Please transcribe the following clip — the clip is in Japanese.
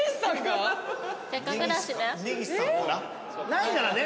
ないならね。